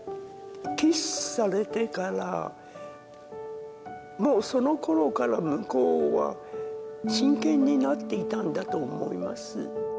キスされてからもうその頃から向こうは真剣になっていたんだと思います